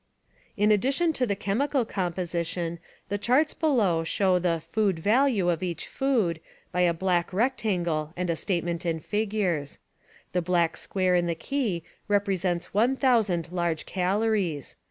In addition to the chemical composition, the charts show the food value of each food by a black rectangle and a statement in figures. The black square in the key represents one thousand large calories.